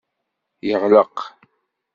Yeɣleq.